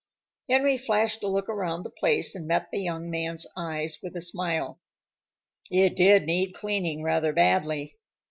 Henry flashed a look around the place, and met the young man's eyes with a smile. It did need cleaning rather badly.